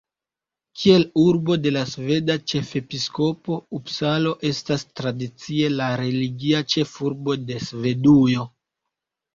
Kiel urbo de la sveda ĉefepiskopo, Upsalo estas tradicie la religia ĉefurbo de Svedujo.